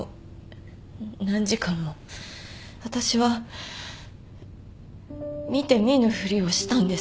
私は見て見ぬふりをしたんです。